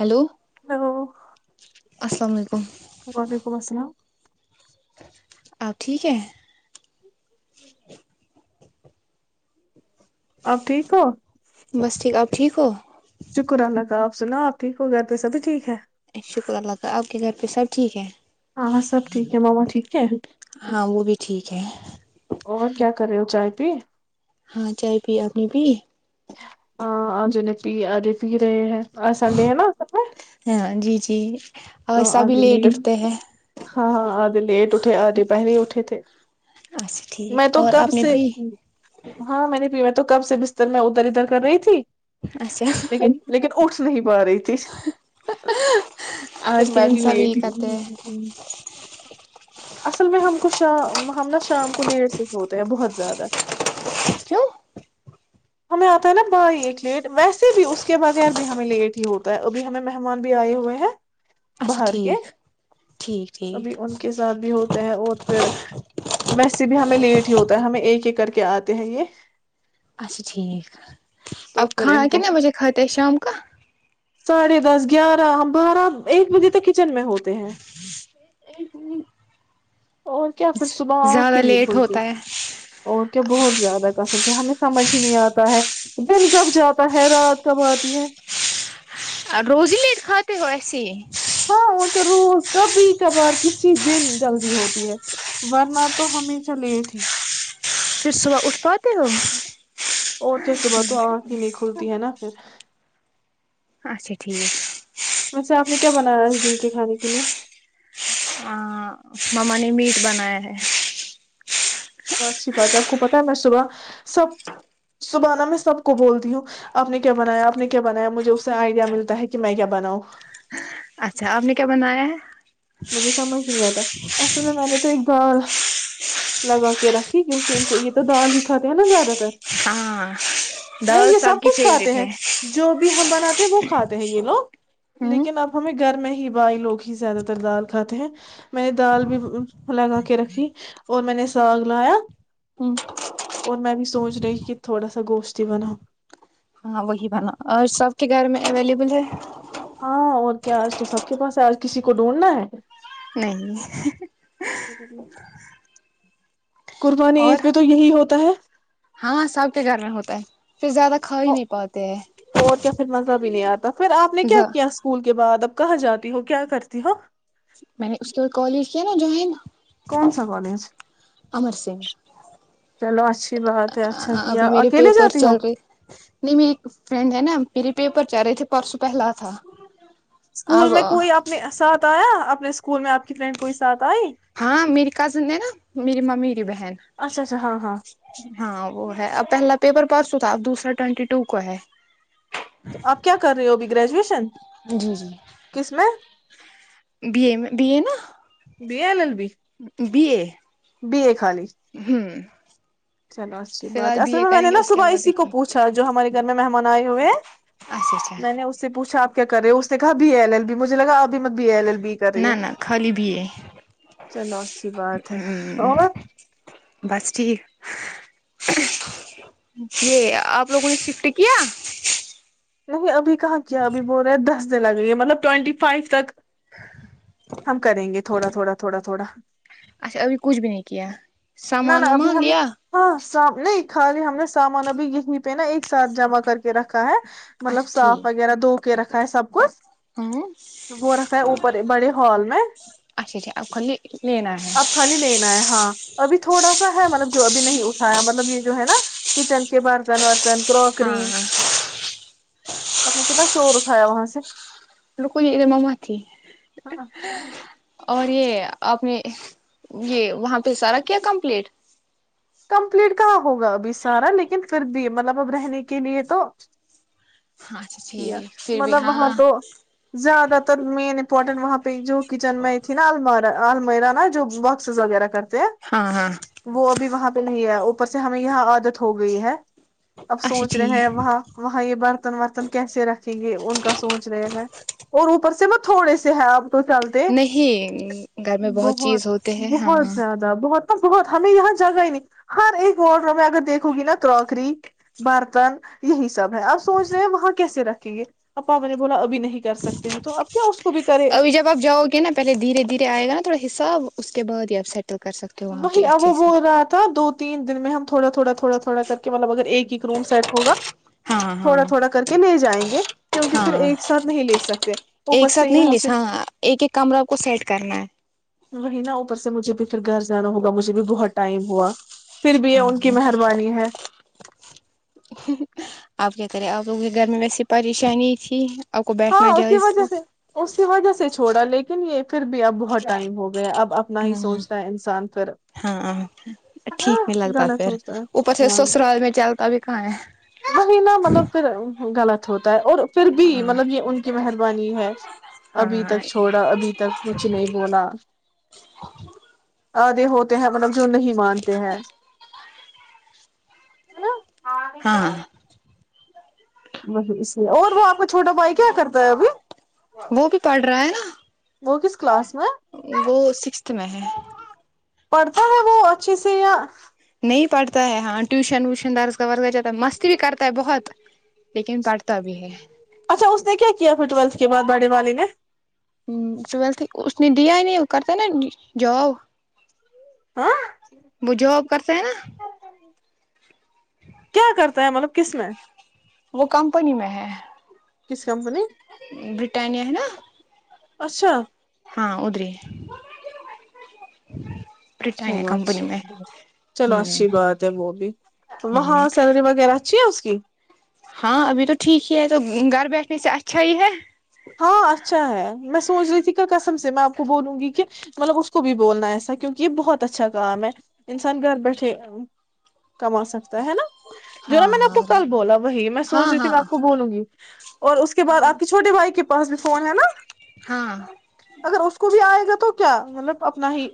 hello hello السلام علیکم گب کو بس ل [unintelligible] اپ ٹھیک ہے ہ [inaudible] آپ ٹھیک ہو بس ٹھیک آپ ٹھیک ہو شکر اللہ کا آپ سنا آپ ٹھیک ہو گھر پہ سبھی ٹھیک ہے شکر اللہ ت آپ کے گھر پہ سب ٹھیک ہے ہاں ہاں سب ٹھیک ہے ماما ٹھیک ہے ہاں وہ بھی ٹھیک ہے اور کیا کرے ہو چائے تی ہاں چائے پی آپنی پی ہاں آج نے پی آجے پی رہے ہیں سنڈے ہے نا سب میں ہاں جی جی تو اور آج سبھی لیٹ اٹھتے ہیں ہاں ہاں آج لیٹ اٹھے آج پہلے ا تھے اچھا ٹھیک میں تو اور کب آپ نے سے بھی ہاں میں نے تو کم سے بستر میں ادھر ادھر کر رہی تھی اچھا لیکن لیکن اٹھ نہیں ب رہی تھی پھر آج میں کے دن بھی سب یہ لیٹ ہی کرتے ہیں اصل میں ہم کو شام ہم نا شام کنیر سے ہوتے ہیں بہت زیادہ کیوں ہمیں آتا ہے نا بائی ایک لیٹ ویسے بھی اس کے بغیر بھی ہمیں لیٹ ہی ہوتا ہے ابھی ہمیں مہمان بھی آئے ہوئے ہیں اچھا باہر کے ٹھیک ٹھیک ابھی ٹھیک ان کے ساتھ بھی ہو ہیں اور پھر ویسے بھی ہمیں لیٹ ہی ہوتا ہے ہمیں ایک ایک کر کے آتے ہیں یہ اچھا ٹھیک تو اب پھر کھانا ان کو کتنے بجے کھاتے ہیں شام کا ساڑھے دس گیارہ ہم بارہ ایک بجے تک کچن میں ہوتے ہیں اور کیا پھر صبح آ زیادہ کے نہیں لیٹ بھلتی ہوتا ہے اور بہت زیادہ کسم سے ہمیں سمجھ ہی نہیں آتا ہے دن کب جاتا ہے رات کب آتی ہے اور روز نہیںٹ کاے ہو ایسی ہاں وہک روز کبھی کبھار کسی دن جلدی ہوتی ہے ورنہ تو ہمیشہ لیٹ ہی پھر صبح اٹھ پاتے ہو اور تو صبح تو آنکھ ہی نہیں کھلتی ہے نا پھر اچھا ٹھیک ویسے آپ نے کیا بنایا اس دن کے کھانے کے لیے ہاں مما نے میٹ بنایا ہے اچھی بات ہے آپ کو پتا ہے میں صبح سب صبح ن میں سب کو بولتی ہوں آپ نے کیا بنایا آپ نے کیا بنایا مجھے اس سے آئیڈیا ملتا ہے کہ میں کیا بناؤں اچھا آپ نے کیا بنایا ہے مجھے سمجھ نہیں آتا اصل میں میں نے تو ایک دال لگا کے رکھی کیونکہ ان کو یہ تو دال ہی کھاتے ہیں نا زیادہ تر ہاں نہیں دال یہ سب کی کچھ کھاتے فیوریٹ ہیں ہے جو بھی ہم بناتے ہیں وہ کھاتے ہیں یہ لوگ ہوں لیکن اب ہمیں گھر میں ہی ہی باہائی لگ ہی زیادہ دال کھاتے ہیں میں نے دال بھی لگا کے رکھی اور میں نے ساگ لایا اور میں بھی سوچ رہی کہ تھوڑا سا گوشتی بناؤ ہاں وہی بنا اور سب کے گھر میں اویلیبل ہے ہاں اور کیا آج تو سب کے پاس ہے آج کسی کو ڈھونڈنا ہے نہیں ہوں ہ [inaudible] قربانی ایز اور پہ تو یہی ہوتا تا ہے [inaudible] ہاں سب کے گھر میں ہوتا ہے پھر زیادہ کھا ہی ا نہیں پاتے ہیں اور کیا پھر مزہ بھی نہیں آار پھر آپ نے کیا اسکول کے بعد اب کہاں جاتی ہو کیا کرتی ہو میں نے اس کے بعد کال کیا نا جوائن کون سا کالج امر سنگھ چلو اچ [inaudible] اچ بات ہے اچھا کیا ابھی میرے اکیلے پیپر جاتی ہوں چل رہے نہیں میری ایک فرینڈ ہے نا میرے پیپر چل رہے تھے پرسوں پہلا تھا اسکول اب میں کوئی اپنے ساتھ آیا اپنے اسکول میں آ کی فرینڈ کوئی سھ ہاں میری کزن ہے نا میری م میری بہن اچھا اچھا ہاں ہاں ہاں وہ ہے ا پہلا پیپر پاس تو تھا اب دوسرا ٹوینٹی ٹو کو ہے تو آپ کیا کر رہے ہو ابھی گریجویشن کس میں ب میں ب ا نا بیل ال بھی بی بی اے خالی ہوں چلو اچھی فی بات الحال ہے اصل بی اے میں میں نے کریں گے نا اس کے صبح بعد اسی کو دیکھیں پوچھا جو ہمارے گھر میں مہمان آئے ہوئے ہیں اچھا اچھا میں نے اس سے پوچھا آپ کرے اس نے کہ بی ایل ایل بھی مجھے لگ ابھیت بی ایل ای بی بھی کر رہی ہو نہ نہ خالی بی اے چلو اچھی بات اور بس ٹھیک یہ آپ لوگوں نے شفٹ کیا نہیں ابھی کہاں کیا ابھی بول رہے ہیں دس دن لگے ہے مطلب ٹوینٹی فائیو تک ہم کریں گے تھوڑا تھوڑا تھوڑا تھوڑا اچھا ابھی کچھ بھی نہیں کیا نہ نہ سامان ابھی وامان ہم نے لیا ہاں سام نہیں خالی ہم نے سامان ابھی یہ نہیں پہناا ایک ساتھ جمع کر کے رکھا ہے مطلب اچھا صاف ٹھیک وغیرہ دو کی رکھا ہے سب ہاں کچھ وہ رکھا ہے اوپر بڑے ہال میں اچھا اچھا آپ کو لینا ہے اب خالی لینا ہے ہاں ابھی تھوڑا سا ہے مطلب جو ابھی نہیں اٹھایا مطلب یہ جو ہے نا کچن کے بار جن ہاں کراکری آپ نے کتنا شور اکھایا وہاں سے رکو یہ مماتی اور یہ آپ نے یہ وہاں پہ سارا کیا کمپلیٹ کمپلیٹ کہاں ہوگا ابھی سارا لیکن پھر بھی مطلب اب رہنے کے لیے تو ہاں اچھا ٹھیک پھر بھی مطلب وہاں ہاں تو زیادہ تر مین امپورٹنٹ وہاں پہ جو کچن میں تھی نا الماری میرا جو باکسز وغیرہ کر ہاں ہاں وہ ابھی وہاں پہ نہیں ہے اوپر سے ہمیں یہ عادت ہوگئی ہے اب اچھا سوچ رہے ٹھیک ہیں وہاں وہاں یہ برتن ورتن رکھیں گے ان کا سوچ رہے ہیں اور اوپر سے میں تھوڑے سے ہے آپ نہیں گھر میں بہت چیز ہوتے ہیں بہت ہاں زیادہ بہت بہت ہمیں یہاں جگہ ہی نہیں ہر ایک وارڈ میں اگر دیکھوں گی نا کروکری برتن یہی سب ہے آپ سوچ رہے ہیں وہاں کیس رکھیں گے اپاپا نے بولا ابھی نہیں کر سکتے ہیں تو اب کیا اس کو بھی کرے ابھی جب آپ جاؤ گے نا پہلے دھیرے دھیرے آئے گا نا تھوڑا حساب اس کے بعد یہ ابٹ وہی وہ بول رہا تھا دو تین دن میں ہم تھوڑا تھوڑا تھوڑا تھوڑا کر کے مطلب اگر ایک روم سیٹ ہوا ہاں ہاں تھوڑا تھوڑا کر کے لے جائیں گے کیونکہ پھر ہاں ایک ساتھ نہیں لے سکتے ایک اوپس سے ساتھ نہیں یہاں لیس سے ہاں ایک ایک کمرہ آپ کو سیٹ کرنا ہے وہی نا اوپر سے مجھے بھی پھر گھر جانا ہوگا مجھے بھی بہت ٹائم ہوا پھر بھی یہ ہاں ان کی ہاں مہربانی ہے آپ کیا کرے آپ لوگوں کی گرمی میں ایسی پریشانی تھی آپ کو ہاں بیٹھنا اسی جائز وجہ تھا سے اسی وجہ سے چھوڑا لیکن یہ پھر بھی اب بہت ٹائم ہو گیا اب اپنا ہی سوچتا ہے انسان پھر ہ ہاں ٹھیک نہیں لگتا غلط پھر سوچتا اوپر ہے سے ہاں سسرال میں چلتا بھی کہاں وہی نا ہے [unintelligible] مطلب پھر غلط ہوتا ہے اور پھر بھی ہاں مطلب یہ ان کی مہربانی ہے ابھی ہاں تک چھوڑا ابھی تک مھے نہیں بولا آھے ہوتے ہیں مطلب جو نہیں مانتے ہیں ہے نا [inaudible] ہاں نہیں پ اسے اور وہ آپ کا چھوٹا بھائی کیا کرتا ہے ابھی وہ بھی پڑھ رہا ہے نا وہ کس کلاس وہ سکستھ میں ہے پڑھتا ہے وہ اچھے سے یا نہیں پڑھتا ہے ہاں ٹیوشن ووشن درس کا ور جاتا ہے مستی بھی کرتا ہے بہت لیکن پڑھتا بھی ہے اچھا اس نے کیا کیا پھر ٹویلتھ کے بعد بڑی والی نے ہ ٹویلت دیائی نہیں ا کرتا نا جؤ ہاں بھوب کرتے ہیں نا کیا کرتا ہیں مطلب کس میں وہ کس کمپنی برٹانیا ہے نا اچھا ہاں ادری چلو اچھی چلو ہوں اچھی بات ہے وہ بھی ہوں وہاں سلری وغیرہ اچھی ہے اس کی ہاں ابھی تو ٹھیک ہی ہے تو گھر بیٹھنے سے اچھا ہی ہے ہاں اچھا ہے میں سوچ رہی تھی کسم سے میں آپ کو بولوں گی کہ مطلب اس کو بھی بولنا ایسا کیونکہ یہ بہت اچھا کام ہے انسان گھر بیٹھے کما سک ہے نا جو ہاں نا میں نے آپ کو ہاں کل بولا وہی میں سوچ رہی تھی ہاں میں آپ کو بولوں گی اور اس کے بعد ہاں آپ کے چھوٹے بھائی کے فون ہے نا ہاں اگر اس کو بھی آئے گا تو کیا مطلب اپنا ہی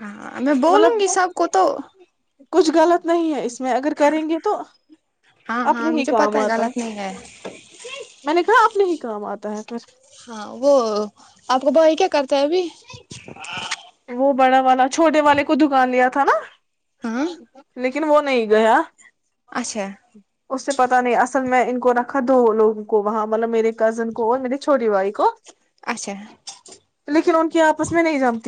ہاں میں بولوں مطلب گی سب کو تو [inaudible] کچھ غلط نہیں ہے اس میں اگر کریں گے تو ہاں اپنے ہاں ہی مجھے کام پتا آتا ہے غلط نہیں میں نے کہا نہیں کام آتا ہے پھر ہاں وہ آپ کا بائی کیا کرتا ہے ابھی [inaudible] وہ بڑا والا چھوٹے والے کو دکان لیا تھا نا ہاں لیکن وہ نہیں گیا اچھا اس سے پتہ نہیں اصل میں ان کو رکھ دو لوگوں کو وہاں مطلب میرے کزن کو میری چھوٹے بھائی کو اچھا تو لیکن ان کی آپس میں نہیں جام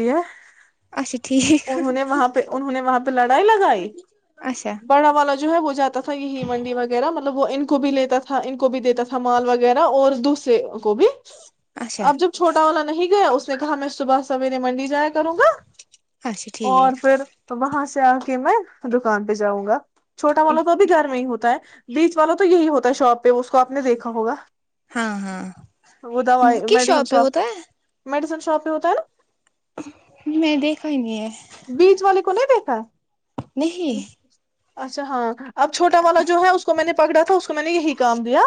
اچھا ٹھیک انہوں نے وہاں پہ انہوں نے وہاں لڑائی لگائی اچھا بڑا والا جو ہے جاتا تھا یہ ہی منڈی وغیرہ مطلب وہ ان کو بھی لیتا تھا ان کو بھی دیتا تھا مال وغیرہ اور دوسرے کو بھی اچھا اب جب چھوٹا والا نہیں گیا اس میں صبح سویرے منڈی سے جیا کروں گا اچھا اور ٹھیک پھر وہاں سے سے آ کے میں دکان پہ جاؤں گا چھوٹا والا تو ابھی گھر میں ہی ہوتا ہے بیچ والا تو یہی ہوتا ہے شاپ پہ اس کو آپ نے دیکھا ہوگا ہاں ہاں وہ کس میڈیسن پہ شاپ ہوتا ہے مڈس پہ ہوتا ہے نا میں نے دیکھا ہی نہیں ہے بیچ والے کو نہیں دیکھا ہے نہیں اچھا ہاں اب چوٹا والا جو ہے اس کو میں نے پکڑا تھا اس کو میں نے یہی کام دیا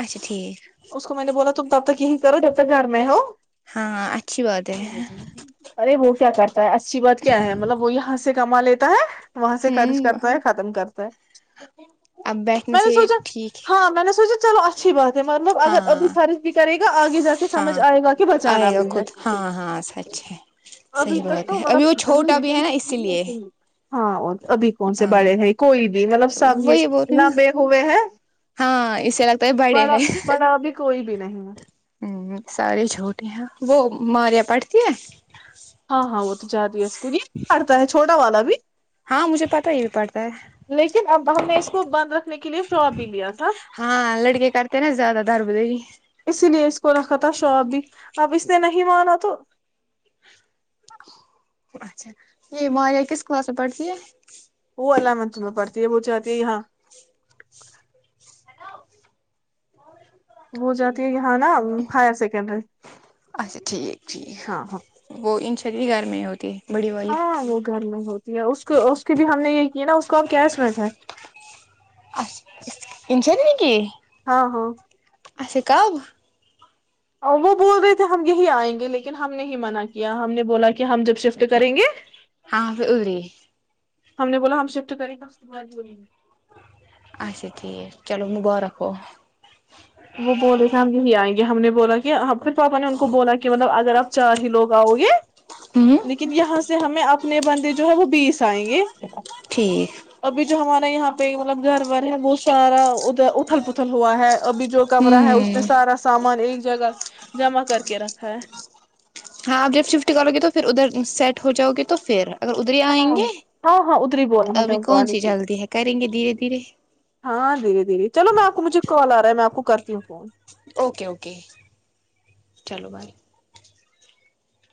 اچھا ٹھیک اس کو میں نے بولا تم تب تک یہیں کرو جب تک گھر میں ہو ہاں اچھی بات ہے آرے وہ کیا کر اچھی بات کیا ہے مطلب وہ یہاں سے سے کما لیتا ہے وہاں سے خرچ ہوں کرتا ہے ختم کرتا ہے اب بیٹھنے میں نے سے سوچا ٹھیک ہے ہاں میں نے سوچا چلو اچھی بات ہے مطلب اگر ابھی ہاں فرچ بھی کرے گا آگے جا کے سمجھ ہاں آئے گا کہ بچانا آئے گا بھی ہے خود ہاں ہاں سچ ہے ابھی صحیح تک بات ہے ابھی وہ چھوٹا توند بھی ہے نا اسی لیے ہاں ابھی کون سے ہاں بڑے ہیں کوئی نہیں مطلب سب وہی بول رہی نا لمبے ہوئے ہیں ہاں اسے لگتا ہے بڑے بڑا ہے بڑا بھی کوئی بھی نہیں ہے ہ سارے چھوٹے ہیں وہ ماریا پٹتی ہے ہاں ہاں زدہی ہاں مجھے پتا ہی بھی پڑتا ہے لیکن اب ہم نے اس کو بند رکھنے کے لیے شاپ بھی لیا تھا ہاں لڑکے کرتے نا زیادہ دربدری اسی لیے اس کو رکھا تھا شاپ بھی اب اس نے نہیں مانا تو اچھا یہ مار یہ کس کلاس میں پڑھتی ہے وہ الیونتھ میں پڑھتی ہے وہ جاتی ہے یہاں ہیلو [inaudible] وہ جاتی ہے یہاں نا ہائر سیکنڈری اچھا ہاں ہاں چریی گار میں ہی ہوتی ہے بڑی والی ہاں وہ گھر میں ہوتا اس اس کے بھی ہم نے یہ کیے نا اس کو ہم کیا اسمیت ہے انسانی نیک [unintelligible] ہاں ہاں آ کب وہ بول رہے تھے ہم یہی آئیں گے لیکن ہم نے ہی منع کیا ہم نے بولا کہ ہم جب شفٹ کریں گے ہاں ای ہم نے بولا ہم شفٹ کریں گول گے اچھا ٹھیک چلو مب ت کوو وہ بول رہے تھے ہم یہی آئیں گے ہم نے بولا کہ آپ پھر پاپا نے ان کو بولا کہ مطلب اگر آپ چار ہی لوگ آؤ گے ہوں لیکن یہاں سے ہمیں اپنے بندے جو ہے وہ بیس آئیں گے ٹھیک ابھی جو ہمارا یہاں پہ مطلب گھر وار ہے بہت سارا ادھر اتل پتھل ہوا ابھی جو کمرہ ہے اس میں ہوں سارا سامان ایک جگہ جمع کر کے رکھا ہے ہاں اب جب شفٹ کرو گے تو پھر ادھر سیٹ ہو جؤ گے تو پھر اگر ادھر ہی ہاں آئیں گے ہاں ہاں ادھر بول رہا ابھی کون سی ہم جلدی ہے کریں گے دھیرے دھیرے ہاں دی دی چلو میں آپ کو مجھے کال آ رہا ہے میں آپ کو کرتی ہوں فون اوکے اوکے چلو بھائی